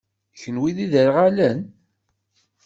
Kenwi d iderɣalen?